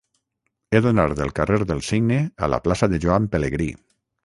He d'anar del carrer del Cigne a la plaça de Joan Pelegrí.